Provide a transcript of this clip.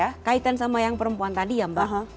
nah terus kaitan sama yang perempuan tadi ya mbak